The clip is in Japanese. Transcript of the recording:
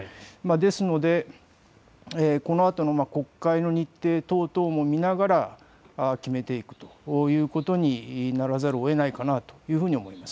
ですのでこのあとの国会の日程等々も見ながら決めていくということにならざるをえないかなというふうに思います。